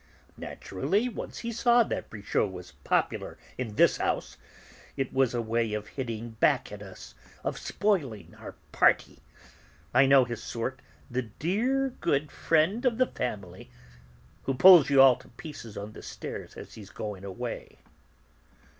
Naturally, once he saw that Brichot was popular in this house, it was a way of hitting back at us, of spoiling our party. I know his sort, the dear, good friend of the family, who pulls you all to pieces on the stairs as he's going away."